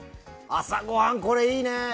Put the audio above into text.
朝ごはん、これ、いいね！